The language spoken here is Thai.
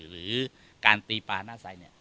หรือการตีปลาหน้าใส